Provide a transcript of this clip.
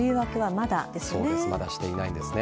まだしていないんです。